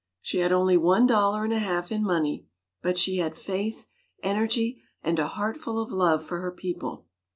She had only one dollar and a half in money, but she had faith, energy, and a heart full of love for her people.